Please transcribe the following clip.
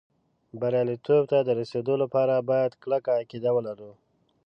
بریالېتوب ته د رسېدو لپاره باید کلکه عقیده ولرو